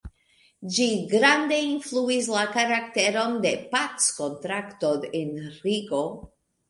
Ĝi grande influis la karakteron de packontrakto en Rigo.